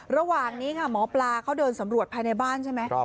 ระหว่างนี้ค่ะหมอปลาเขาเดินสำรวจภายในบ้านใช่ไหม